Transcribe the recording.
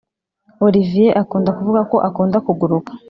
Oliviye akunda kuvuga ko akunda kuguruka